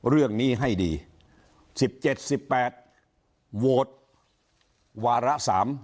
เรื่องนี้ให้ดีสิบเจ็ดสิบแปดโหวตวาระสาม